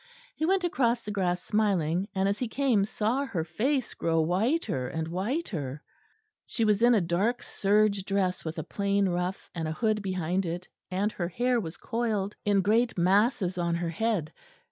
He went across the grass smiling, and as he came saw her face grow whiter and whiter. She was in a dark serge dress with a plain ruff, and a hood behind it, and her hair was coiled in great masses on her head.